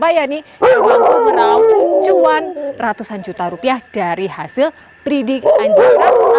yang berapa ya nih cuma ratusan juta rupiah dari hasil breeding anjing